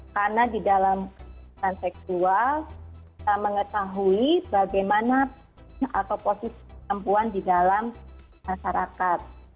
karena di dalam kerasan seksual kita mengetahui bagaimana posisi perempuan di dalam masyarakat